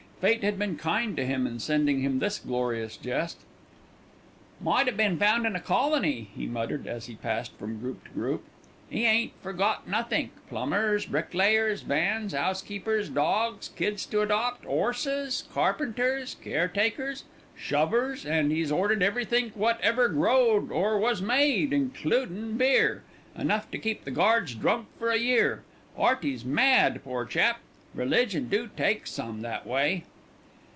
Fate had been kind to him in sending him this glorious jest. "Might 'a been foundin' a colony," he muttered, as he passed from group to group; "'e ain't forgot nothink: plumbers, bricklayers, vans, 'ousekeepers, dawgs, kids to adopt, 'orses, carpenters, caretakers, shovers; an' 'e's ordered everythink what ever growed or was made, includin' beer, enough to keep the Guards drunk for a year. 'Earty's mad, pore chap. Religion do take some that way."